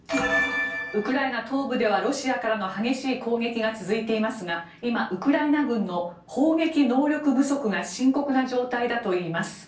ウクライナ東部ではロシアからの激しい攻撃が続いていますが今、ウクライナ軍の砲撃能力不足が深刻な状態だといいます。